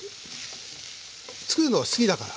つくるのが好きだから。